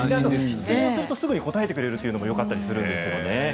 質問するとすぐに答えてくれるのもよかったりするんですよね。